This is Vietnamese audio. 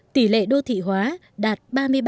tỷ lệ đô thị hóa đạt ba mươi ba